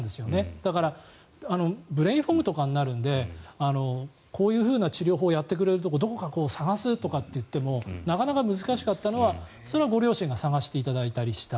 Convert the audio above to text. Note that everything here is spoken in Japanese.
だからブレインフォグとかになるのでこういうふうな治療法をやってくれるところどこか探すといってもなかなか難しかったのはそれはご両親に探していただいたと。